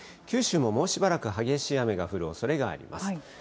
九州ももうしばらく激しい雨の降るおそれがあります。